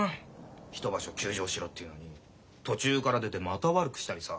１場所休場しろっていうのに途中から出てまた悪くしたりさ。